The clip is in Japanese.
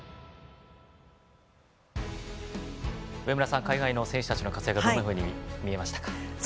上村さん海外の選手たちの活躍はどんなふうに見えましたか。